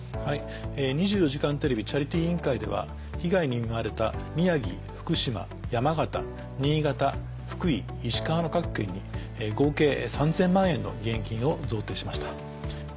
「２４時間テレビチャリティー委員会」では被害に見舞われた宮城・福島山形・新潟・福井・石川の各県に合計３０００万円の義援金を贈呈しました。